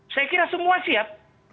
saya kira semua siap